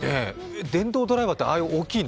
電動ドライバーってあんなに大きいの？